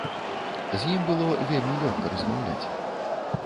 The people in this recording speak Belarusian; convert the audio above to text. І з ім было вельмі лёгка размаўляць.